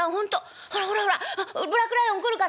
ほらほらほらブラックライオン来るからね